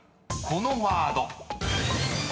［このワード］